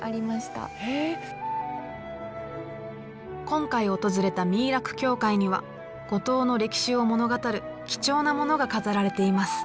今回訪れた三井楽教会には五島の歴史を物語る貴重なものが飾られています。